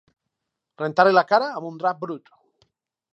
Rentar-li la cara amb un drap brut.